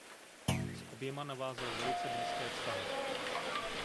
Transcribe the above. S oběma navázal velice blízké vztahy.